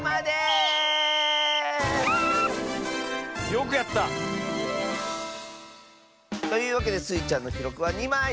よくやった。というわけでスイちゃんのきろくは２まい！